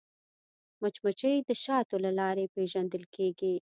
مچمچۍ د شاتو له لارې پیژندل کېږي